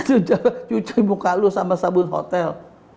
cuci muka lu sama sabun hotel